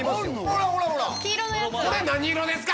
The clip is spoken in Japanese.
ほらほらほら黄色のやつ